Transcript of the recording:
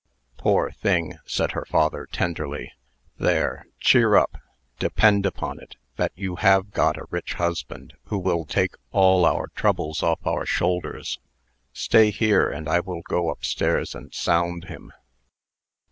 "Poor thing!" said her father, tenderly. "There cheer up. Depend upon it, that you have got a rich husband, who will take all our troubles off our shoulders. Stay here, and I will go up stairs and sound him."